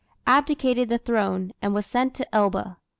Abdicated the throne, and was sent to Elba.